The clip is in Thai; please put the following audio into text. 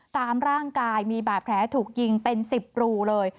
ตามร่างกายมีบาดแผลถูกยิงเป็น๑๐รูเลย